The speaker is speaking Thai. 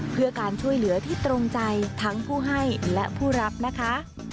เพื่อการช่วยเหลือที่ตรงใจทั้งผู้ให้และผู้รับนะคะ